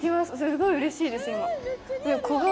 すごいうれしいです、今。